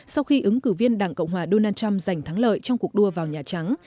sau khi ứng cử viên đảng cộng hòa donald trump giành thắng lợi trong cuộc đua vào nhà trắng